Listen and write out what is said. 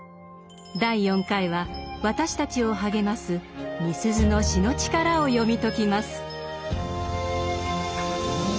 第４回は私たちを励ますみすゞの詩の力を読み解きます。